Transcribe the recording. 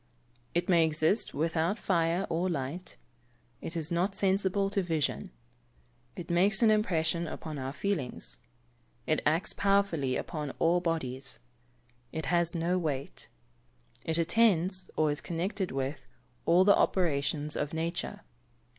_ It may exist without fire or light. It is not sensible to vision. It makes an impression upon our feelings. It acts powerfully upon all bodies. It has no weight. It attends, or is connected with, all the operations of nature.